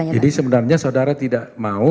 jadi sebenarnya saudara tidak mau